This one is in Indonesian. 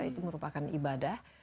itu merupakan ibadah